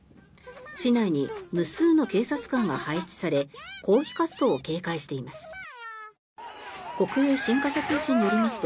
市内に無数の警察官が配置され抗議活動を警戒しています。